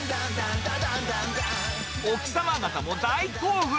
奥様方も大興奮。